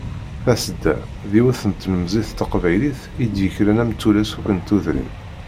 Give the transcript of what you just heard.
Tasedda, d yiwet n tlemẓit taqbaylit i d-yekkren am tullas akk n tudrin.